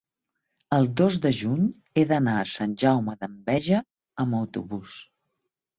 el dos de juny he d'anar a Sant Jaume d'Enveja amb autobús.